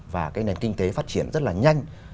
và cái nền kinh tế phát triển rất là nhanh